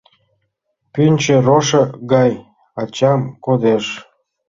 Пӱнчӧ роша гай ачам кодеш